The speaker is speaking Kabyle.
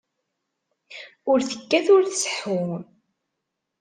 Ur tekkat ur tseḥḥu.